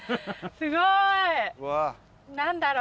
すごい。